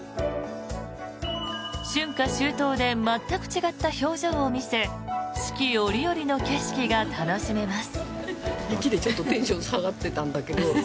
春夏秋冬で全く違った表情を見せ四季折々の景色が楽しめます。